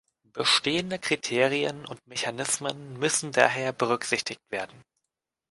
Bestehende Kriterien und Mechanismen müssen daher berücksichtigt werden.